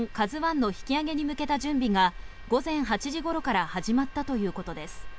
「ＫＡＺＵ１」の引き揚げに向けた準備が午前８時ごろから始まったということです。